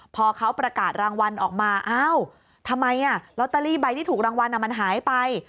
พอเขาประกาศรางวัลออกมาเอ้าทำไมลอตเตอรี่ใบที่ถูกรางวัลมันหายไป